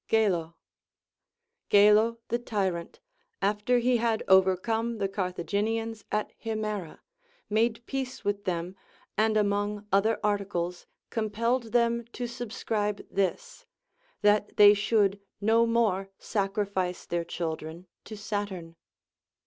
Gelo. Gelo the tyrant, after he had overcome the Car thaginians at Himera, made peace with them, and among other articles compelled them to subscribe this, — that they should no more sacrifice their children to Saturn.